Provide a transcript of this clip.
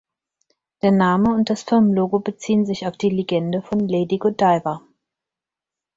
Der Name und das Firmenlogo beziehen sich auf die Legende von Lady Godiva.